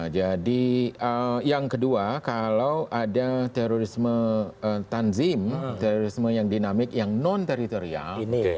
jadi yang kedua kalau ada terorisme tanzim terorisme yang dinamik yang non teritorial